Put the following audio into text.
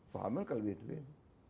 paham kan kalau beli duit